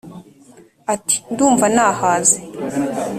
ati: ndumva nahaze